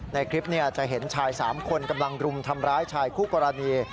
ในคลิปจะเห็นชาย๓คนกำลังรุมทำร้ายชายคู่กรณี